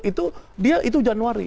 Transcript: itu dia itu januari